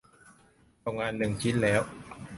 ส่งงานหนึ่งชิ้นแล้ว